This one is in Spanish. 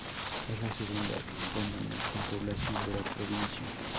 Es la segunda comuna en población de la Provincia.